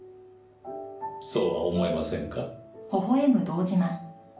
そうは思えませんか？